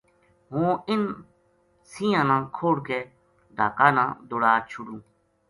ہوں انھ سَینہاں نا کھوڑ کے ڈھاکا نا دوڑا چھوڈوں